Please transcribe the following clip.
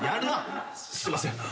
すんません。